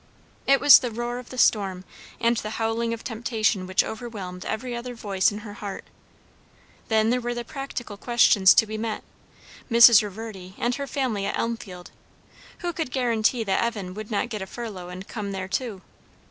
It was the roar of the storm and the howling of temptation which overwhelmed every other voice in her heart. Then there were practical questions to be met. Mrs. Reverdy and her family at Elmfield, who could guarantee that Evan would not get a furlough and come there too?